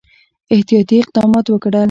احتیاطي اقدمات وکړل.